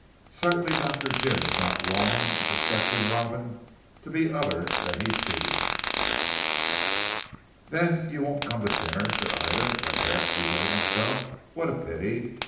Certainly Dr. Jim was not wrong in suspecting Robin to be other than he seemed. "Then you won't come to dinner?" said Ida when Herrick presented himself. "What a pity!